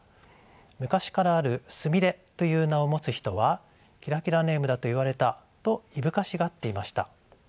昔からある「菫」という名を持つ人はキラキラネームだと言われたといぶかしがっていました。